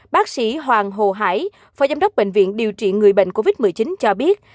bác sĩ hoàng hồ hải phó giám đốc bệnh viện điều trị người bệnh covid một mươi chín cho biết